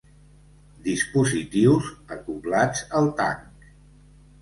Dispositius acoblats al tanc.